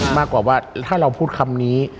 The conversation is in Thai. มากกว่าว่าถ้าเราพูดคำนี้